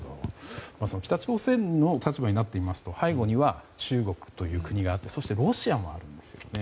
北朝鮮の立場になって見ますと背後には、中国という国があってそしてロシアもあるんですね。